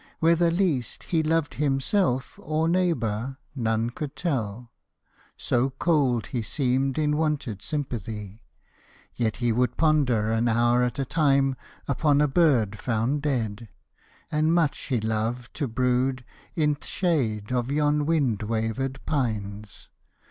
Whether least He loved himself or neighbor none could tell, So cold he seemed in wonted sympathy. Yet he would ponder an hour at a time Upon a bird found dead; and much he loved To brood i' th' shade of yon wind wavered pines.